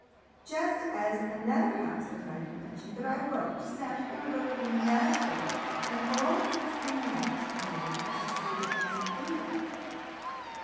Just as another house that I can mention, but I won't, sounded irrevocably masculine, and all its inmates can do is to see that it isn't brutal."